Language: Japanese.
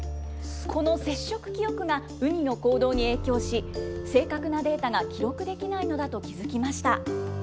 この接触記憶が、ウニの行動に影響し、正確なデータが記録できないのだと気付きました。